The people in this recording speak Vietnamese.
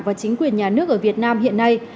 và chính quyền nhà nước ở việt nam hiện nay